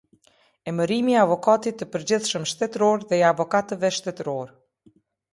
Emërimi i Avokatit të Përgjithshëm Shtetëror dhe i Avokatëve Shtetëror.